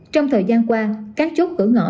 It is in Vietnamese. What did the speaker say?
trong thời gian qua các chốt cửa ngõ